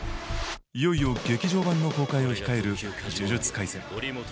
いよいよ劇場版の公開を控える「呪術廻戦」。